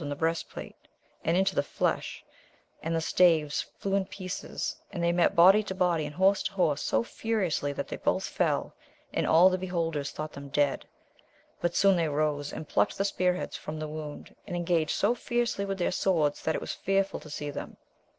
and breast plate, and into the flesh, and the staves flew in pieces, and they met body to body and horse to horse so furiously that both fell, and all the beholders thought them dead ; but soon they rose, and plucked the spear heads from the wound, and engaged so fiercely with their swords that it was fearful to see them.